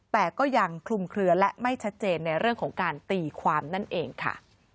แต่ก็ยังคลุมเคลือและไม่ชัดเจนในเรื่องของการตีความนั่นเองค่ะ